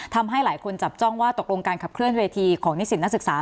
ทำให้หลายคนจับจ้องว่าตกลงการขับเคลื่อเวทีของนิสิตนักศึกษา